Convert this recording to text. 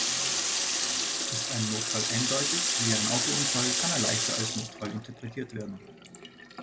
Ist ein Notfall eindeutig, wie ein Autounfall, kann er leichter als Notfall interpretiert werden.